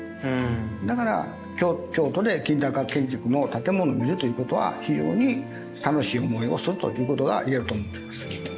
だから京都で近代化建築の建物を見るということは非常に楽しい思いをするということがいえると思っています。